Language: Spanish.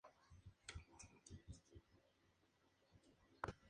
El municipio cuenta con siete cajeros automáticos ubicados en las sedes bancarias.